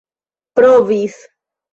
provis